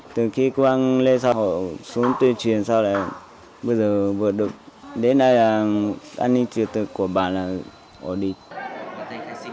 từ khi công an lên xã hồ xuống tuyên truyền sau này bây giờ vượt được đến đây là an ninh trật tự của bản là ổn định